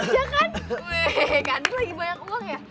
weee kak adit lagi banyak uang ya